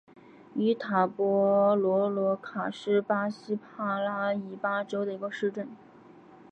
伊塔波罗罗卡是巴西帕拉伊巴州的一个市镇。